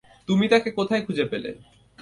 তুমি তাকে কোথায় খুঁজে পেলে?